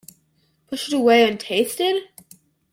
Push it away untasted?